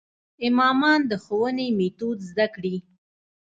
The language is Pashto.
امامان د ښوونې میتود زده کړي.